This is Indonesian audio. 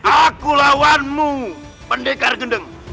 aku lawanmu pendekar gedeng